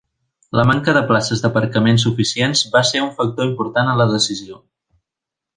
La manca de places d'aparcament suficients va ser un factor important en la decisió.